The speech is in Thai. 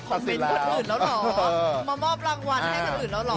เมนต์คนอื่นแล้วเหรอมามอบรางวัลให้คนอื่นแล้วเหรอ